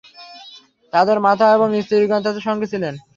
তাদের মাতা এবং স্ত্রীগণও তাদের সঙ্গে ছিলেন।